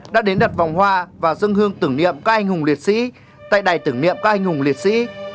đã đến đặt vòng hoa và dân hương tưởng niệm các anh hùng liệt sĩ tại đài tưởng niệm các anh hùng liệt sĩ